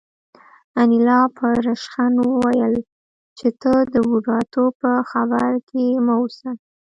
انیلا په ریشخند وویل چې ته د بوډاتوب په فکر کې مه اوسه